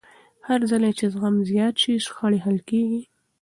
هرځل چې زغم زیات شي، شخړې حل کېږي.